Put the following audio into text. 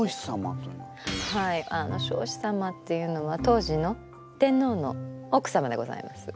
彰子様っていうのは当時の天皇の奥様でございます。